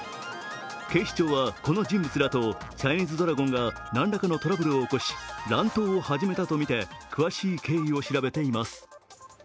警視庁は、この人物らとチャイニーズドラゴンがなんらかのトラブルを起こし乱闘を始めたとみて、詳しい経緯を調べています。